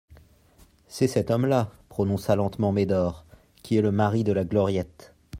C'est cet homme-là, prononça lentement Médor, qui est le mari de la Gloriette.